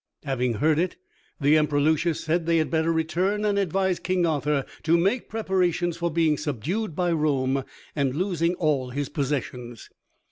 Having heard it, the Emperor Lucius said they had better return and advise King Arthur to make preparations for being subdued by Rome and losing all his possessions.